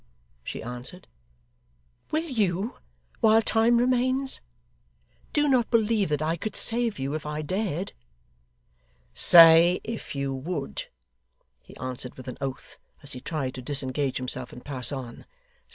she answered. 'Will you, while time remains? Do not believe that I could save you, if I dared.' 'Say if you would,' he answered with an oath, as he tried to disengage himself and pass on.